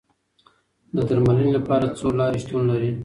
د درملنې لپاره څو لارې شتون لري.